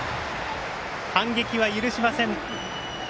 反撃は許しません。